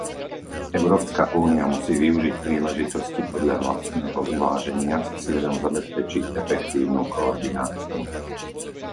Európska únia musí využiť príležitosti podľa vlastného uváženia s cieľom zabezpečiť efektívnu koordináciu.